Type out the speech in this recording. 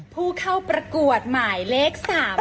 ผู้เข้าประกวดหมายเลข๓